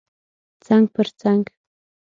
څنګ پر څنګ